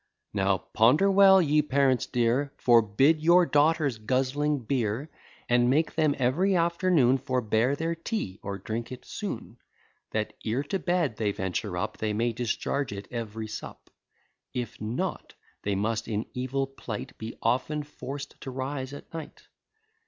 Now, "ponder well, ye parents dear;" Forbid your daughters guzzling beer; And make them ev'ry afternoon Forbear their tea, or drink it soon; That, ere to bed they venture up, They may discharge it ev'ry sup; If not, they must in evil plight Be often forc'd to rise at night.